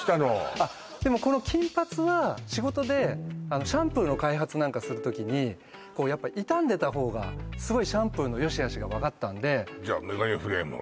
あっでもこの金髪は仕事でシャンプーの開発なんかする時にこうやっぱ傷んでた方がすごいシャンプーのよしあしが分かったんでじゃメガネフレームは？